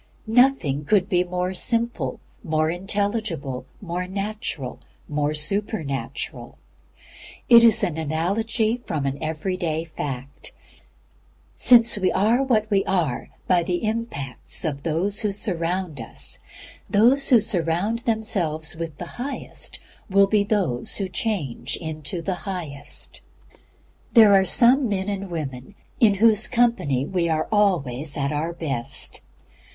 Nothing could be more simple, more intelligible, more natural, more supernatural. It is an analogy from an every day fact. Since we are what we are by the impacts of those who surround us, those who surround themselves with the highest will be those who change into the highest. There are some men and some women in whose company we are ALWAYS AT OUR BEST.